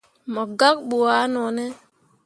Mo gak ɓu ah none.